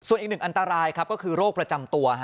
ส่วนอีก๑อันตรายก็คือโรคประจำตัว